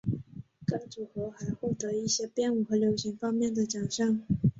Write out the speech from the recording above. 该组合还获得一些编舞和流行方面的奖项。